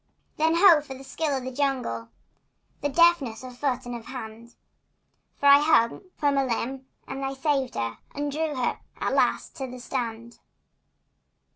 Then, ho, for the skill of the jungle! The deftness of foot and of hand! For I hung from a limb and I saved her And drew her at last to the strand.